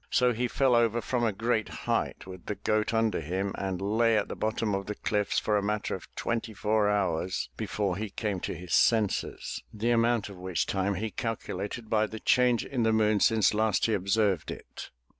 So he fell over from a great height with the goat under him and lay at the bottom of the cliffs for a matter of twenty four hours before he came to his senses — the amount of which time he calculated by the change in the moon since last he observed it.